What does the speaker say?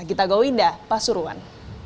gita gowinda pak suruhan